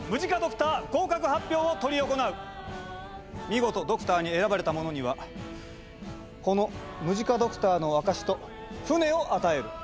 見事ドクターに選ばれた者にはこのムジカドクターの証しと船を与える。